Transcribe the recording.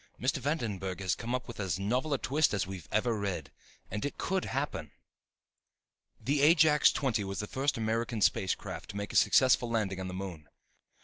Mr. Vandenburg has come up with as novel a twist as we've ever read._ And it could happen. The Ajax XX was the first American space craft to make a successful landing on the moon.